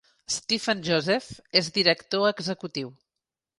Stephen Joseph és director executiu.